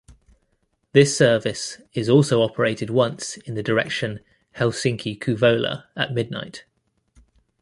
This service is also operated once in the direction Helsinki–Kouvola at midnight.